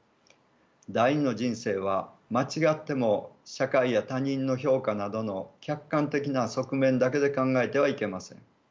第二の人生は間違っても社会や他人の評価などの客観的な側面だけで考えてはいけません。